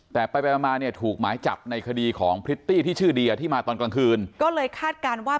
แต่ไปไปมามาเนี่ยถูกหมายจับในคดีของพริตตี้ที่ชื่อเดียที่มาตอนกลางคืนก็เลยคาดการณ์ว่า